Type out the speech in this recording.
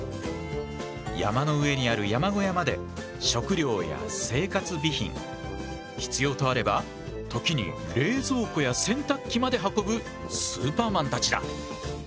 山の上にある山小屋まで食料や生活備品必要とあれば時に冷蔵庫や洗濯機まで運ぶスーパーマンたちだ。